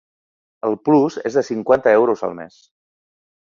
El plus és de cinquanta euros al mes.